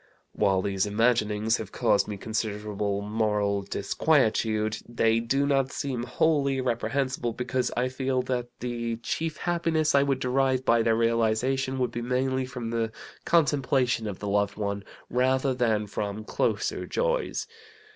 "While these imaginings have caused me considerable moral disquietude, they do not seem wholly reprehensible, because I feel that the chief happiness I would derive by their realization would be mainly from the contemplation of the loved one, rather than from closer joys.